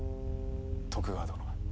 徳川殿。